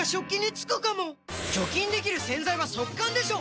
除菌できる洗剤は速乾でしょ！